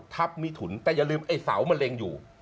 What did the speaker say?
ทัพมิถุร์แต่อย่าลืมอีกเสามันเล็งอยู่